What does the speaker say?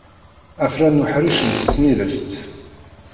Afran n uḥric n tesnilest.